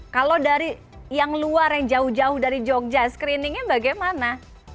kalau dari yang luar yang jauh jauh dari jogja screeningnya bagaimana